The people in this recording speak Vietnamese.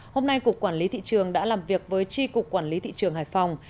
hôm nay cục quản lý thị trường đã làm việc với tri cục quản lý thị trường hải phòng